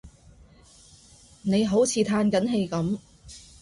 你好似歎緊氣噉